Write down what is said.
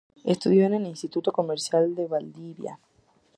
Estudió en el Instituto Comercial de Valdivia.